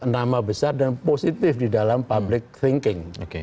nama besar dan positif di dalam public thinking